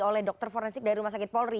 oleh dokter forensik dari rumah sakit polri